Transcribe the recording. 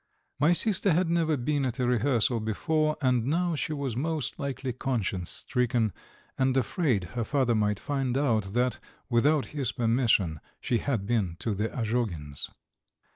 My sister had never been at a rehearsal before, and now she was most likely conscience stricken, and afraid her father might find out that, without his permission, she had been to the Azhogins'!